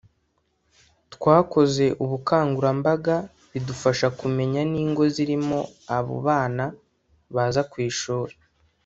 twakoze ubukangurambaga bidufasha kumenya n’ingo zirimo abo bana baza ku ishuri